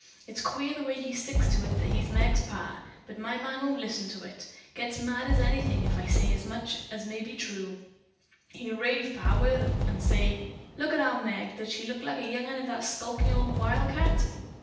It's queer the way he sticks to it that he's Meg's pa, but my man won't listen to it. Gets mad as anythin' if I as much as say maybe it's true. He'll rave, Pa will, an' say: 'Look at our Meg! Does she look like a young 'un of that skulkin' old wildcat?'